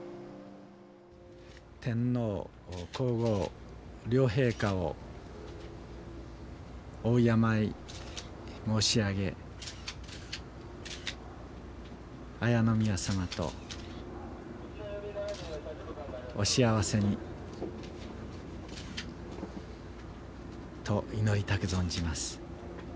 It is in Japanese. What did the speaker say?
天皇皇后両陛下をお敬い申し上げ、礼宮さまと、お幸せにとと祈りたく存じます。